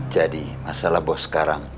jadi masalah bos sekarang